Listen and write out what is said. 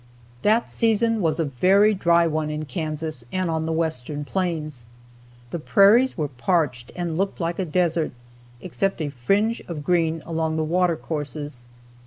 That season was a very dry one in Kansas and on the Western plains. The prairies were parched and looked like a desert, except a fringe of green along the water courses.